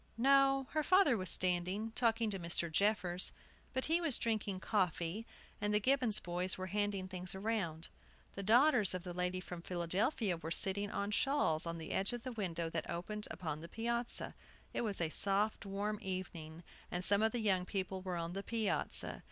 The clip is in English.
No, her father was standing, talking to Mr. Jeffers. But he was drinking coffee, and the Gibbons boys were handing things around. The daughters of the lady from Philadelphia were sitting on shawls on the edge of the window that opened upon the piazza. It was a soft, warm evening, and some of the young people were on the piazza.